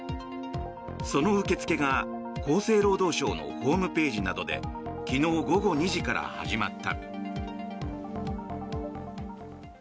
その受け付けが厚生労働省のホームページなどで昨日午後２時から始まった。